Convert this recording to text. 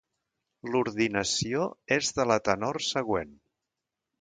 L'ordinació és de la tenor següent.